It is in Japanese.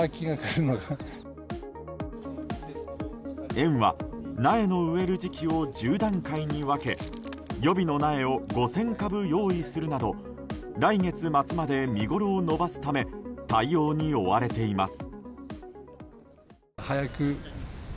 園は苗の植える時期を１０段階に分け予備の苗を５０００株用意するなど来月末まで見ごろを延ばすため対応に追われています。